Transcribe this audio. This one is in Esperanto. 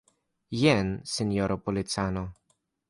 Jen, sinjoro policano.